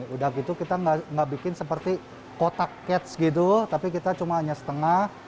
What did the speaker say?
udah gitu kita nggak bikin seperti kotak catch gitu tapi kita cuma hanya setengah